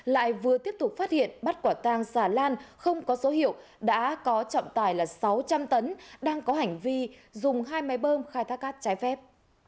lại vừa tiếp tục phát hiện bắt quả tàng xà lan không có số hiệu đã có trọng tài là sáu trăm linh tấn đang có hành vi dùng hai máy bơm khai thác cát trái phép